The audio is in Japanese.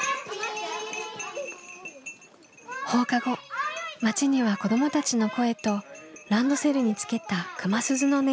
放課後町には子どもたちの声とランドセルにつけた熊鈴の音色が響きます。